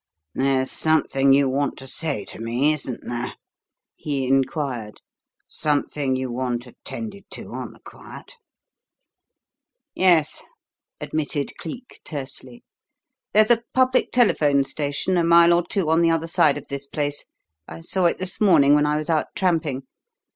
"There's something you want to say to me, isn't there?" he inquired. "Something you want attended to on the quiet?" "Yes," admitted Cleek, tersely. "There's a public telephone station a mile or two on the other side of this place I saw it this morning when I was out tramping.